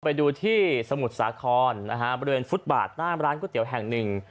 ไปดูที่สมุทรสาครนะฮะบริเวณฟุตบาทหน้าร้านก๋วยเตี๋ยวแห่งหนึ่ง